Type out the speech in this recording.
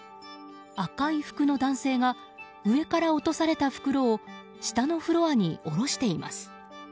赤い服の男性が上から落とされた袋を下のフロアに降ろしています。